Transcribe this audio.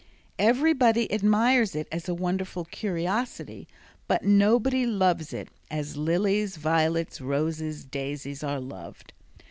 Everybody admires it as a wonderful curiosity, but nobody loves it as lilies, violets, roses, daisies are loved.